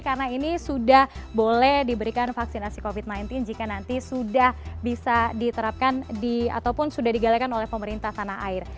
karena ini sudah boleh diberikan vaksinasi covid sembilan belas jika nanti sudah bisa diterapkan di ataupun sudah digalekan oleh pemerintah tanah air